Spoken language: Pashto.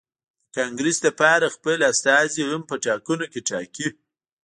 د کانګرېس لپاره خپل استازي هم په ټاکنو کې ټاکي.